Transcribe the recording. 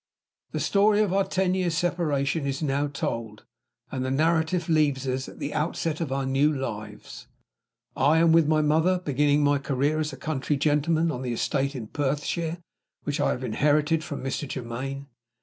The story of our ten years' separation is now told; the narrative leaves us at the outset of our new lives. I am with my mother, beginning my career as a country gentleman on the estate in Perthshire which I have inherited from Mr. Germaine.